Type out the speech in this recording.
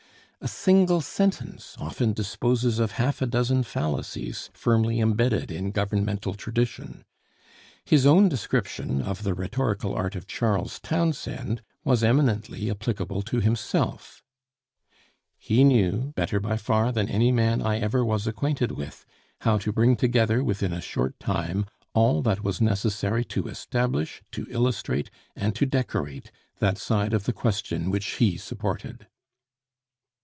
A single sentence often disposes of half a dozen fallacies firmly imbedded in governmental tradition. His own description of the rhetorical art of Charles Townshend was eminently applicable to himself: "He knew, better by far than any man I ever was acquainted with, how to bring together within a short time all that was necessary to establish, to illustrate, and to decorate that side of the question which he supported."